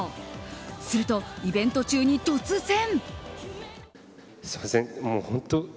すると、イベント中に突然。